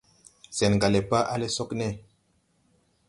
Sɛn gà le pa, alɛ sogne.